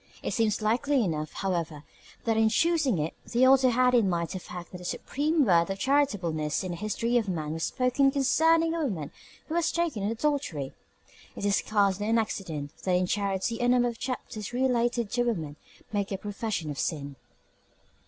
It seems likely enough, however, that in choosing it the author had in mind the fact that the supreme word of charitableness in the history of man was spoken concerning a woman who was taken in adultery. It is scarcely an accident that in Charity a number of the chapters relate to women who make a profession of sin.